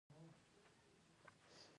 مصنوعي ځیرکتیا د نړیوال تعامل بڼه بدلوي.